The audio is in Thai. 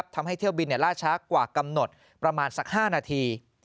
ทำให้เที่ยวบินล่าช้ากว่ากำหนดประมาณสัก๕นาที